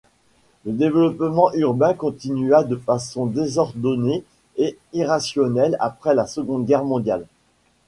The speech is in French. Le développement urbain continua de façon désordonnée et irrationnelle après la Seconde Guerre mondiale.